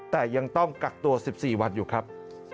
แต่ยังต้องกักตัว๑๔วันอยู่ครับ